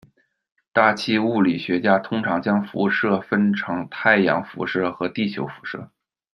大气物理学家通常将辐射分成太阳辐射和地球辐射。